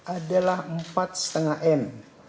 adalah empat lima m